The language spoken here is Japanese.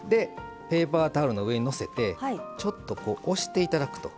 ペーパータオルの上にのせてちょっと押して頂くと。